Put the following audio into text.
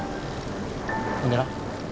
ほんでな